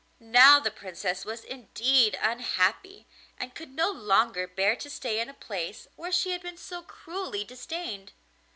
Now the Princess was indeed unhappy, and could no longer bear to stay in a place where she had been so cruelly disdained.